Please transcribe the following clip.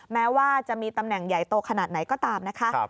แม้ว่าจะมีตำแหน่งใหญ่โตขนาดไหนก็ตามนะคะ